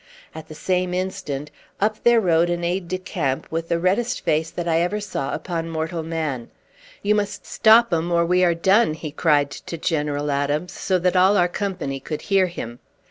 At the same instant up there rode an aide de camp, with the reddest face that ever I saw upon mortal man. "You must stop 'em, or we are done!" he cried to General Adams, so that all our company could hear him.